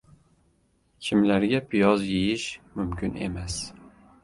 Kimlarga piyoz yeyish mumkin emas?